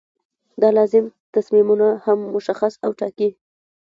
دا لازم تصمیمونه هم مشخص او ټاکي.